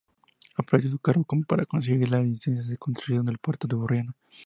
Aprovechó su cargo para conseguir la licencia de construcción del puerto de Burriana.